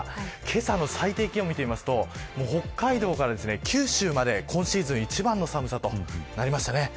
けさの最低気温を見ると北海道から九州まで今シーズン一番の寒さとなりましたね。